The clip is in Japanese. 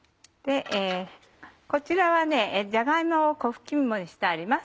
こちらはじゃが芋を粉吹き芋にしてあります。